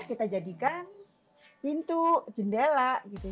kita jadikan pintu jendela